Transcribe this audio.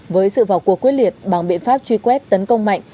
với sự vào cuộc quyết liệt bằng biện pháp truy quét tấn công mạnh